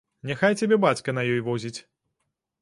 Няхай цябе бацька на ёй возіць.